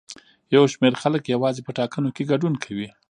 یو شمېر خلک یوازې په ټاکنو کې ګډون کوي.